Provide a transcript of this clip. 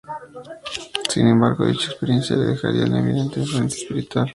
Sin embargo, dicha experiencia le dejaría una evidente influencia espiritual en sus obras.